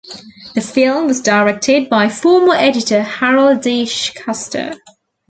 The film was directed by former editor Harold D. Schuster.